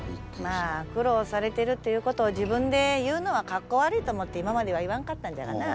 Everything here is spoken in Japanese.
まあ苦労されているということを自分で言うのはかっこ悪いと思って今までは言わんかったんじゃがな。